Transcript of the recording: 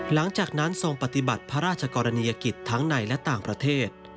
หลังจากนั้นทรงปฏิบัติพระราชกรณียกิจทั้งในและต่างประเทศ